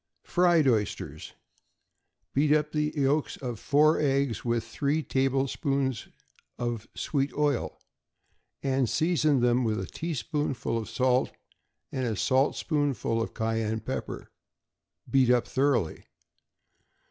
=Fried Oysters.= Beat up the yolks of four eggs with three tablespoonfuls of sweet oil, and season them with a teaspoonful of salt and a saltspoonful of cayenne pepper; beat up thoroughly.